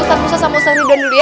tamu saya sama ustaz ridwan dulu ya